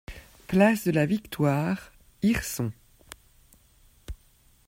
Place de la Victoire, Hirson